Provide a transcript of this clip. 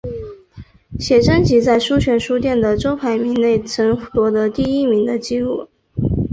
写真集在书泉书店的周排名内曾夺得第一名的纪录。